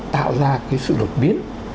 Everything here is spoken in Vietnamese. tạo ra cái sự đột biến